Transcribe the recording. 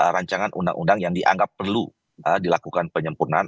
rancangan undang undang yang dianggap perlu dilakukan penyempurnaan